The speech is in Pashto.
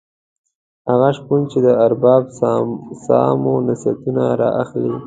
هغه شپون چې د ارباب سامو نصیحتونه را اخلي.